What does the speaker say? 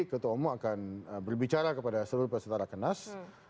ketua umum akan berbicara kepada seluruh pesetara kenas